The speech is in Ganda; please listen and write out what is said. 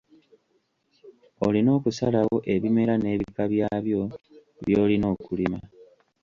Olina okusalawo ebimera n’ebika byabyo by’olina okulima.